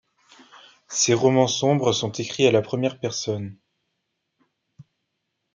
Ses romans sombres sont écrits à la première personne.